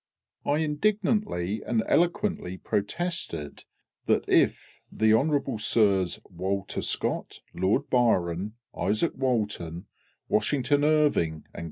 I indignantly and eloquently protested that if Hon'ble Sirs, WALTER SCOTT, Lord BYRON, ISAAC WALTON, WASHINGTON IRVING and Co.